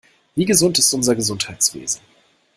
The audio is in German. Wie gesund ist unser Gesundheitswesen?